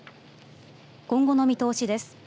今後の見通しです。